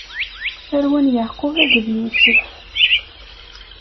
Tarwa n Yeɛqub akked Yusef.